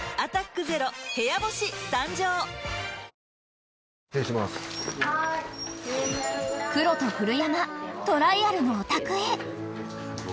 ［クロと古山トライアルのお宅へ］